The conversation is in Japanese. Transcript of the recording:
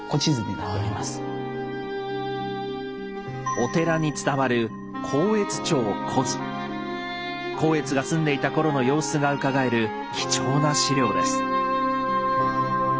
お寺に伝わる光悦が住んでいた頃の様子がうかがえる貴重な資料です。